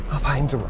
apa yang dia lakukan